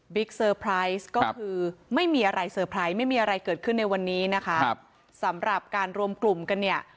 บิ๊กเซอร์ไพรส์ก็คือไม่มีอะไรเกิดขึ้นในวันนี้นะคะสำหรับการรวมกลุ่มกันเนี่ย